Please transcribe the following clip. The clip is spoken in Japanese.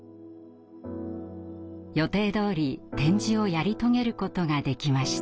予定どおり展示をやり遂げることができました。